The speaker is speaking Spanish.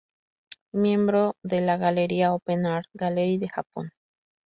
Miembro de la galería open-art Gallery de Japón.